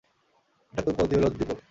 এটা তো কৌতুহলোদ্দীপক!